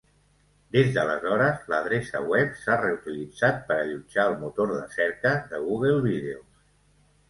Des d'aleshores, l'adreça web s'ha reutilitzat per allotjar el motor de cerca de Google Videos.